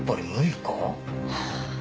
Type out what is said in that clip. はあ。